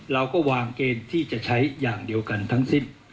เราก็วางเกณฑ์ที่จะใช้อย่างเดียวกันทั้งสิ้น